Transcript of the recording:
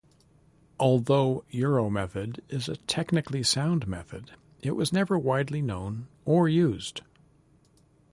Although Euromethod is a technically sound method it was never widely known or used.